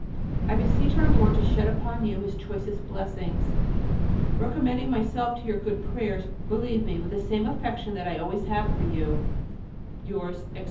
I beseech Our Lord to shed upon you His choicest blessings. Recommending myself to your good prayers, believe me with the same affection that I always have for you, Yours, etc.